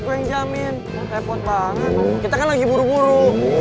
gue jamin repot banget kita lagi buru buru